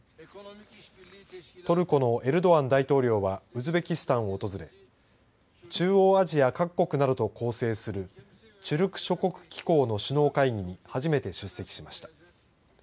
トルコのエルドアン大統領はウズベキスタンを訪れ中央アジア各国などと構成するテュルク諸国機構の首脳会議に初めて出席しました。